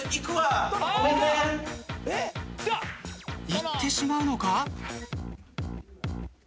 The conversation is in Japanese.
行ってしまうのか！？